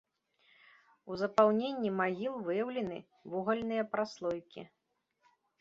У запаўненні магіл выяўлены вугальныя праслойкі.